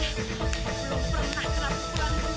belum pernah ngerasuk peran dulu